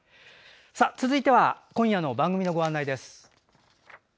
続いては今夜の番組のご案内です。